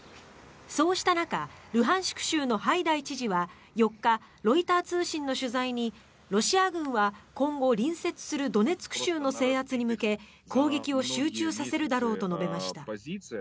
そうした中、ルハンシク州のハイダイ知事は４日ロイター通信の取材にロシア軍は今後、隣接するドネツク州の制圧に向けて攻撃を集中させるだろうと述べました。